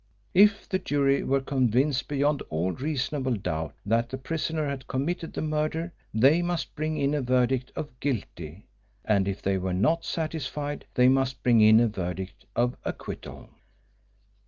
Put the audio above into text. If the jury were convinced beyond all reasonable doubt that the prisoner had committed the murder, they must bring in a verdict of "guilty," and if they were not satisfied they must bring in a verdict of acquittal.